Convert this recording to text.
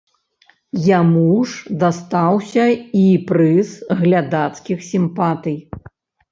Яму ж дастаўся і прыз глядацкіх сімпатый.